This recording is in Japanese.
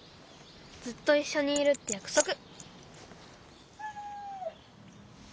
ずっといっしょにいるってやくそく。